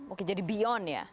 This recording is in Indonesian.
oke jadi beyond ya